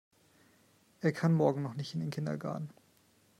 Er kann morgen noch nicht in den Kindergarten.